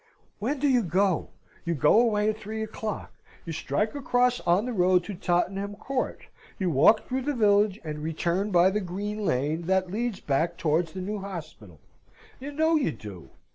"When do you go? You go away at three o'clock. You strike across on the road to Tottenham Court. You walk through the village, and return by the Green Lane that leads back towards the new hospital. You know you do!